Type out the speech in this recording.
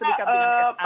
yang sudah dinyatakan